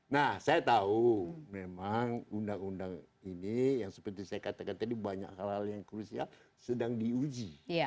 nah saya tahu memang undang undang ini yang seperti saya katakan tadi banyak hal hal yang krusial sedang diuji